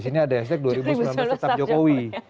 disini ada hashtag dua ribu sembilan belas tetap jokowi